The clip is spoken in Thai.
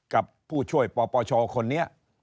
กับผู้ช่วยปปชคนนี้